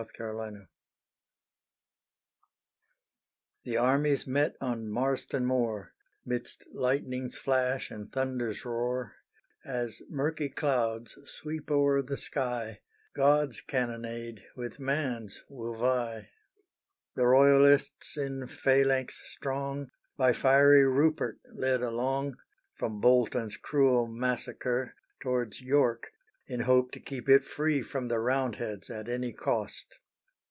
_" MARSTON MOOR The armies met on Marston Moor, 'Midst lightning's flash and thunder's roar; As murky clouds sweep o'er the sky, God's cannonade with man's will vie. The Royalists in phalanx strong, By fiery Rupert led along, From Bolton's cruel massacre Towards York, in hope to keep it free From the Roundheads at any cost.